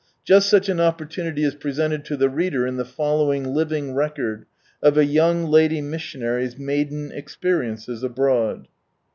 Just such an oppor tunity is presented to the reader in the following living record of a young lady mis sionary's maiden experiences abroad.